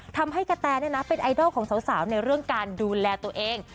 ทำให้กะแทนี่นะเป็นไอดอลของสาวในเรื่องการดูแลตัวเอง